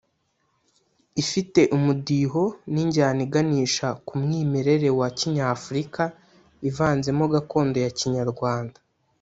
ifite umudiho n’injyana iganisha ku mwimerera wa Kinyafurika ivanzemo gakondo ya Kinyarwanda